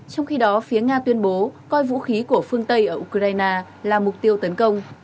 trong khi đó phía nga tuyên bố coi vũ khí của phương tây ở ukraine là mục tiêu tấn công